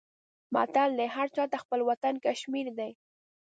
متل دی: هر چاته خپل وطن کشمیر دی.